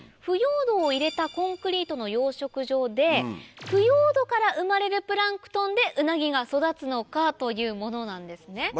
腐葉土を入れたコンクリートの養殖場で腐葉土から生まれるプランクトンでウナギが育つのか？というものなんですね。